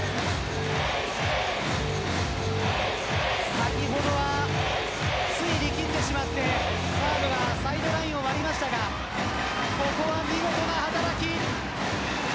先ほどは、つい力んでしまってサーブがサイドラインを割りましたがここは見事な働き。